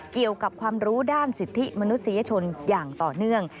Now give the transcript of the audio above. เกี่ยวกับความรู้ด้านสิทธิมนุษยชนอย่างต่อเนื่อง